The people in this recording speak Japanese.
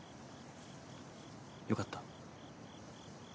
よかった。